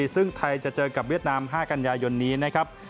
ซึ่งไทยจะเจอกับเวียดนาม๕กันยายนนี้นะครับ